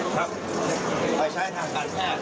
ค่ะ